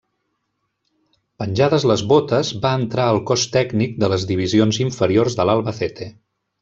Penjades les botes, va entrar al cos tècnic de les divisions inferiors de l'Albacete.